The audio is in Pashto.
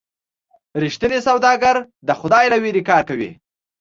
رښتینی سوداګر د خدای له ویرې کار کوي.